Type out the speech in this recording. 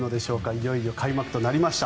いよいよ開幕となりました。